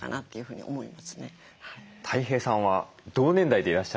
たい平さんは同年代でいらっしゃる。